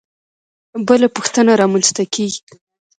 بله پوښتنه رامنځته کېږي.